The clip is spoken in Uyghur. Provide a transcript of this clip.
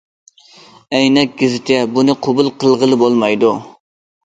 « ئەينەك گېزىتى»: بۇنى قوبۇل قىلغىلى بولمايدۇ!